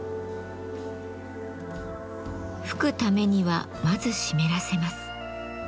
吹くためにはまず湿らせます。